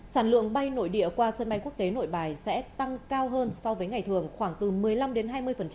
sản lượng bay nội địa qua sân bay quốc tế nội bài sẽ tăng cao hơn so với ngày thường khoảng từ một mươi năm đến hai mươi